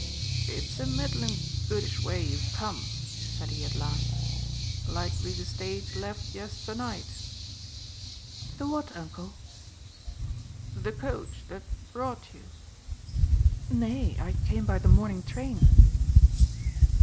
"It's a middlin' goodish way you've come," said he at last. "Likely the stage left yesternight." "The what, uncle?" "The coach that brought you." "Nay, I came by the mornin' train."